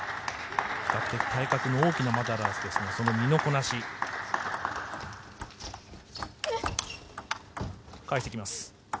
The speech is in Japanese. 体格の大きなマダラスですが、その身のこなし、返してきます。